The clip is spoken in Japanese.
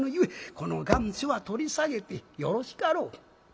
この願書は取り下げてよろしかろう」。